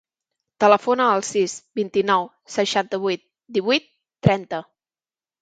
Telefona al sis, vint-i-nou, seixanta-vuit, divuit, trenta.